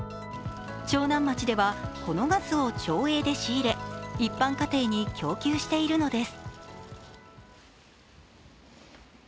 長南町ではこのガスを町営で仕入れ一般家庭に供給しているのです。